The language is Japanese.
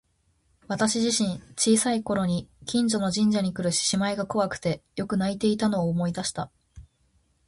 私自身、小さい頃に近所の神社にくる獅子舞が怖くてよく泣いていたのを思い出した。